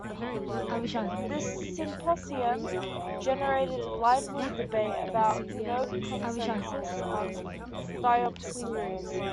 This symposium generated a lively debate about, but no consensus on, Diop's theories.